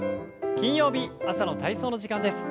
金曜日朝の体操の時間です。